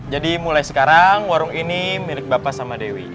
jadi mulai sekarang warung ini milik bapak sama dewi